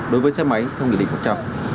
đối với xe máy theo nghị định một trăm linh